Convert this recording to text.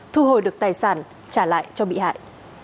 thu hồi được tài sản trả lại cho bị hại